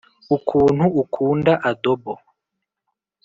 ukuntu ukunda adobo.